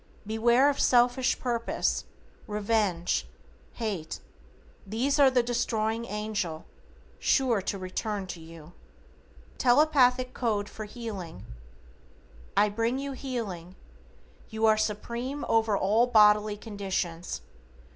Beware of selfish purpose, revenge, hate; these are the Destroying Angel, sure to return to you. =TELEPATHIC CODE FOR HEALING:= I bring you healing. You are Supreme over all bodily conditions.